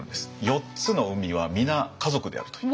４つの海は皆家族であるという。